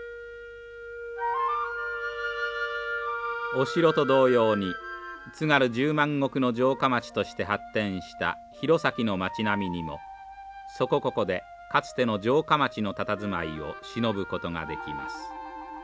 お城と同様に津軽１０万石の城下町として発展した弘前の町並みにもそこここでかつての城下町のたたずまいをしのぶことができます。